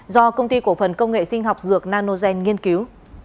do công ty cổ phần công nghệ sinh học dược nanogen nghiên cứu